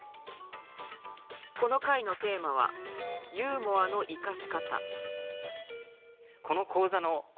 この回のテーマは「ユーモアのいかし方」。